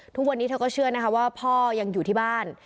ทุกวันนี้เธอก็เชื่อนะคะว่าพ่อยังอยู่ที่บ้าน